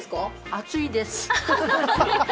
熱いです。